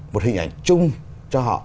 một hình ảnh chung cho họ